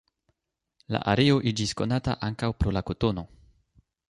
La areo iĝis konata ankaŭ pro la kotono.